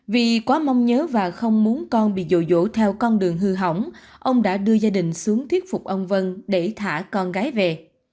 vì quá mong nhớ và không muốn con bị dồi dỗ theo con đường hư hỏng ông đã đưa gia đình xuống thuyết phục ông vân để thả con gái về